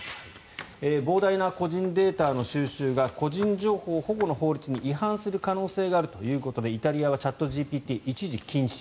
膨大な個人データの収集が個人情報保護の法律に違反する可能性があるということでイタリアはチャットＧＰＴ一時禁止。